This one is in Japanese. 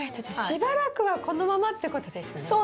じゃあしばらくはこのままってことですね。